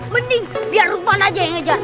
mending biar rumah aja yang ngejar